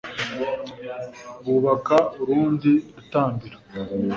bubaka urundi rutambiro